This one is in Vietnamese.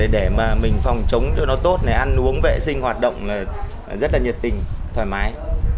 để mình phòng chống cho nó tốt ăn uống vệ sinh hoạt động rất là nhiệt tình thoải mái